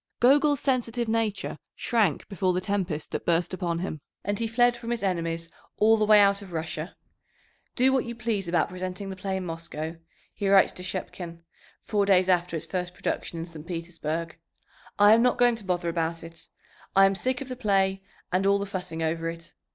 Gogol's sensitive nature shrank before the tempest that burst upon him, and he fled from his enemies all the way out of Russia. "Do what you please about presenting the play in Moscow," he writes to Shchepkin four days after its first production in St. Petersburg. "I am not going to bother about it. I am sick of the play and all the fussing over it.